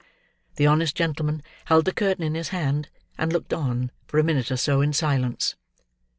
The honest gentleman held the curtain in his hand, and looked on, for a minute or so, in silence.